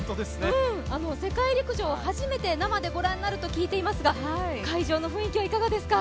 世界陸上初めて生でご覧になると聞いていますが会場の雰囲気はいかがですか？